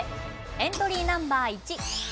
エントリーナンバー１。